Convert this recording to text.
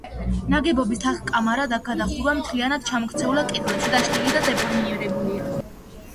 ნაგებობის თაღ-კამარა და გადახურვა მთლიანად ჩამოქცეულია, კედლები დაშლილი და დეფორმირებულია.